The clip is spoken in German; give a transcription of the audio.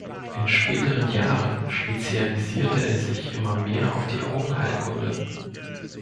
In späteren Jahren spezialisierte er sich immer mehr auf die Augenheilkunde.